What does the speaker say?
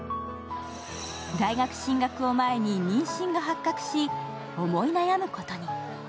大学進学を前に妊娠が発覚し思い悩むことに。